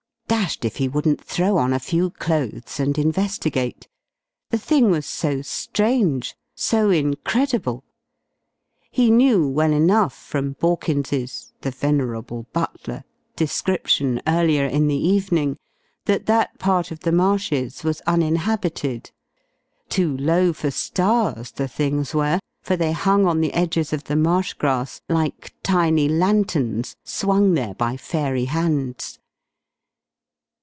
Dashed if he wouldn't throw on a few clothes and investigate. The thing was so strange, so incredible! He knew, well enough, from Borkins's (the venerable butler) description earlier in the evening, that that part of the marshes was uninhabited. Too low for stars the things were, for they hung on the edges of the marsh grass like tiny lanterns swung there by fairy hands.